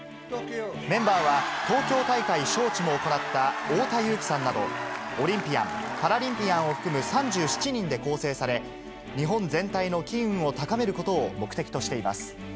メンバーは東京大会招致も行った太田雄貴さんなど、オリンピアン、パラリンピアンを含む３７人で構成され、日本全体の機運を高めることを目的としています。